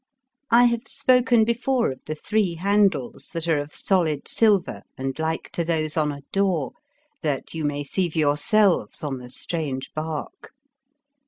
I have spoken before of the three handles that are of solid silver and like to those on a door, that you may see for yourselves on the strange barque.